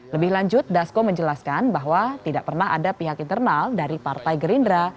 lebih lanjut dasko menjelaskan bahwa tidak pernah ada pihak internal dari partai gerindra